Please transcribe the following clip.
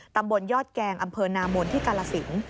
ตำบลยอดแกงอำเภอนามนที่กาลสิน